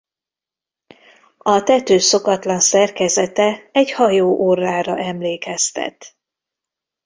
A tető szokatlan szerkezete egy hajó orrára emlékeztet.